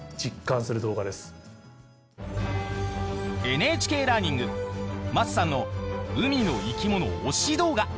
ＮＨＫラーニング桝さんの海の生き物推し動画。